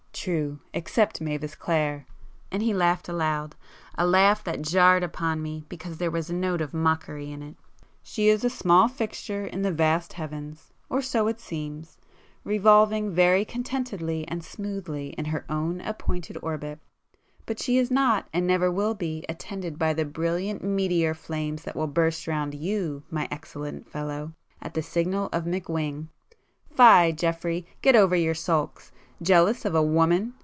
"True! Except Mavis Clare!" and he laughed aloud,—a laugh that jarred upon me because there was a note of mockery in it—"She is a small fixture in the vast heavens,—or so it seems—revolving very contentedly and smoothly in her own appointed orbit,—but she is not and never will be attended by the brilliant meteor flames that will burst round you, my excellent fellow, at the signal of McWhing! Fie Geoffrey!—get over your sulks! Jealous of a woman!